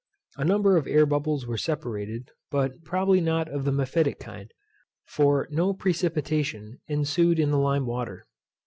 A number of air bubbles were separated, but probably not of the mephitic kind, for no precipitation ensued in the lime water.